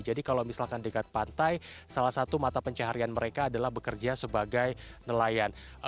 jadi kalau misalkan dekat pantai salah satu mata pencaharian mereka adalah bekerja sebagai nelayan